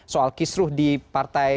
soal kisruh di partai